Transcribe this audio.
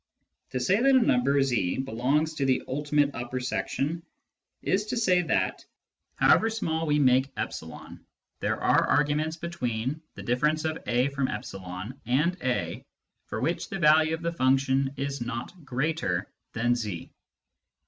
To say that a number z belongs to the ultimate upper section is to say that, however small we make e, there are arguments between a— e and a for which the value of the function is not greater than z.